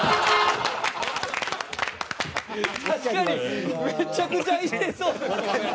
確かにめちゃくちゃいてそう。